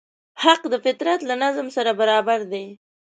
حق د فطرت له نظم سره برابر دی.